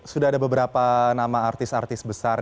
sudah ada beberapa nama artis artis besar